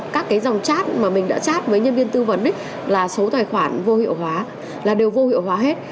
các cái dòng chat mà mình đã chat với nhân viên tư vấn là số tài khoản vô hiệu hóa là đều vô hiệu hóa hết